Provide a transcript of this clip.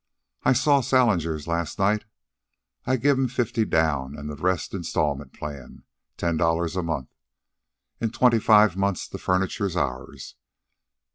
I saw Salinger's last night. I give'm fifty down, and the rest installment plan, ten dollars a month. In twenty five months the furniture's ourn.